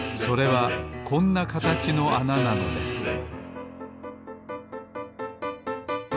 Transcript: それはこんなかたちのあななのです